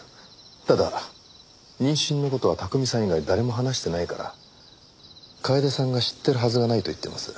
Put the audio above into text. ただ妊娠の事は巧さん以外誰にも話してないから楓さんが知ってるはずがないと言ってます。